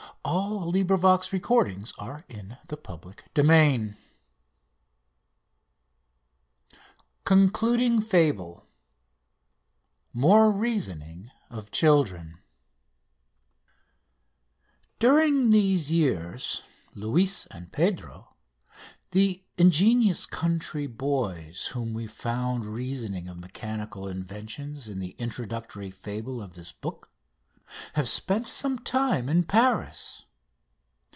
[Illustration: "No. 9." SEEN FROM CAPTIVE BALLOON, JUNE 11, 1903] CONCLUDING FABLE MORE REASONING OF CHILDREN During these years Luis and Pedro, the ingenious country boys whom we found reasoning of mechanical inventions in the Introductory Fable of this book, have spent some time in Paris.